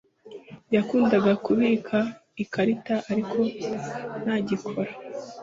Yakundaga kubika ikarita, ariko ntagikora.